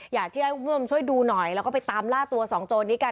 อยากให้คุณผู้ชมช่วยดูหน่อยแล้วก็ไปตามล่าตัวสองโจรนี้กัน